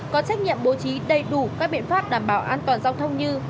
có trách nhiệm bố trí đầy đủ các biện pháp đảm bảo an toàn giao thông như